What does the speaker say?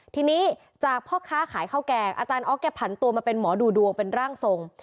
ทีนี้จากพ่อค้าขายข้าวแกงอาจารย์ออฟแกผันตัวมาเป็นหมอดูดวงเป็นร่างทรง